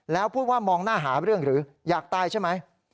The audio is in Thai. แล้วพูดว่ามองหน้าหาเรื่องหรืออยากตายใช่ไหม